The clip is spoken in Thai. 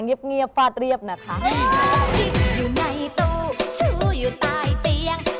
ทำเป็นสื่อสื่อสี่สายทำไมรู้ประสิทธิ์ภาษา